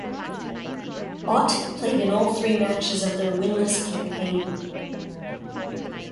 Ott played in all three matches of their winless campaign.